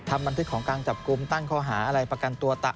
บันทึกของการจับกลุ่มตั้งข้อหาอะไรประกันตัว